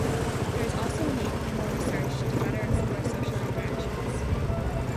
There is also a need for more research to better explore social interactions.